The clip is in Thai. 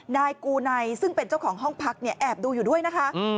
นายกูไนซึ่งเป็นเจ้าของห้องพักเนี่ยแอบดูอยู่ด้วยนะคะ